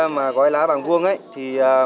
mà gói lá bằng vuông ấy thì